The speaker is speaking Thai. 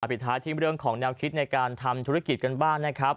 ปิดท้ายที่เรื่องของแนวคิดในการทำธุรกิจกันบ้างนะครับ